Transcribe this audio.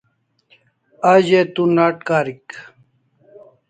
A ze tu nat karik